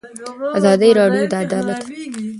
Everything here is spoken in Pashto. ازادي راډیو د عدالت په اړه د هر اړخیز پوښښ ژمنه کړې.